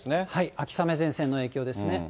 秋雨前線の影響ですね。